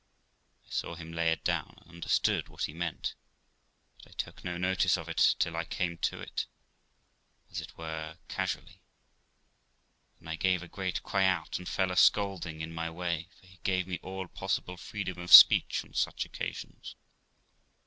I saw him lay it down, and understood what he meant, but I took no notice of it till I came to it, as it were, casually; then I gave a great cry out, and fell a scolding in my way, for he gave me all possible freedom of speech on such occasions.